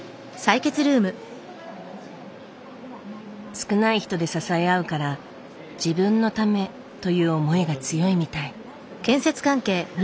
少ない人で支え合うから自分のためという思いが強いみたい。